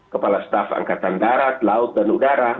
kepala staf angkatan darat laut dan udara